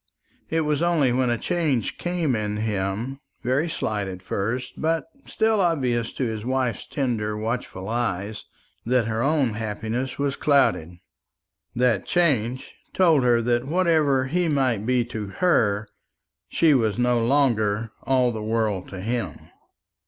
It was only when a change came in him very slight at first, but still obvious to his wife's tender watchful eyes that her own happiness was clouded. That change told her that whatever he might be to her, she was no longer all the world to him.